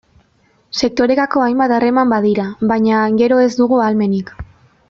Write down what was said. Sektorekako hainbat harreman badira, baina gero ez dugu ahalmenik.